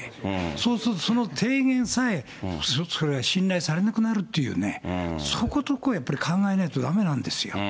そうするとその提言さえ、それは信頼されなくなるというね、そこのとこをやはり考えなきゃだめなんですよ。